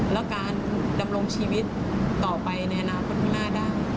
และการดำรงชีวิตต่อไปในอนาคตข้างหน้าได้